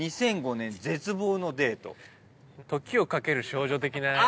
「２００５年絶望のデート」『時をかける少女』的な。